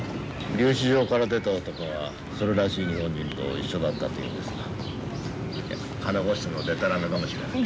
留置場から出た男がそれらしい日本人と一緒だったというんですが金欲しさのデタラメかもしれない。